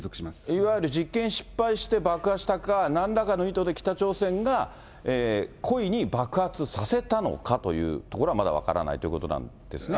いわゆる実験失敗して爆破したか、なんらかの意図で北朝鮮が故意に爆発させたのかというところはまだ分からないということなんですね。